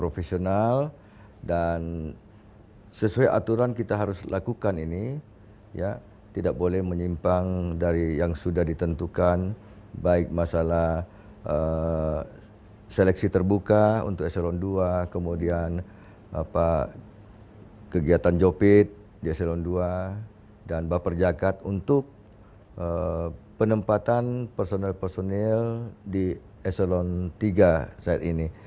profesional dan sesuai aturan kita harus lakukan ini ya tidak boleh menyimpang dari yang sudah ditentukan baik masalah seleksi terbuka untuk eselon dua kemudian kegiatan jopit di eselon dua dan baperjakat untuk penempatan personel personel di eselon tiga saat ini